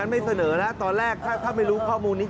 ดั้งนั้นไม่เสนอแล้วตอนแรกถ้าไม่รู้ข้อมูลนี้